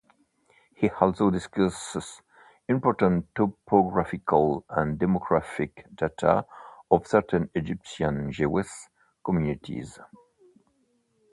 He also discusses important topographical and demographic data of certain Egyptian Jewish communities.